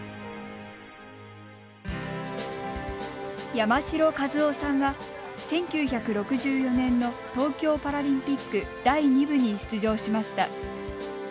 山城一雄さんは、１９６４年の東京パラリンピック第２部に出場しました。